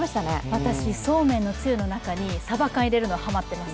私、そうめんのつゆの中にさば缶入れるのハマってます。